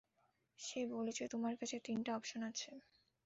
সে বলেছে তোমার কাছে তিনটি অপশন আছে।